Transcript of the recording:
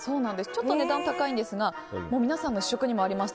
ちょっと値段が高いんですが皆さんの試食にもあります